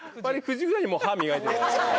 ９時ぐらいにもう歯磨いてる。